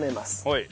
はい。